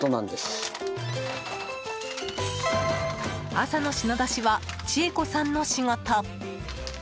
朝の品出しは千恵子さんの仕事。